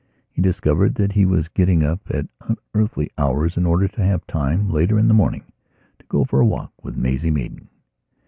He discovered that he was getting up at unearthly hours in order to have time, later in the morning, to go for a walk with Maisie Maidan.